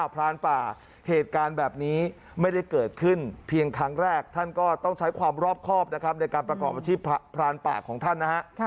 พรานป่าเหตุการณ์แบบนี้ไม่ได้เกิดขึ้นเพียงครั้งแรกท่านก็ต้องใช้ความรอบครอบนะครับในการประกอบอาชีพพรานป่าของท่านนะฮะ